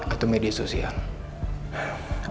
atau media sosial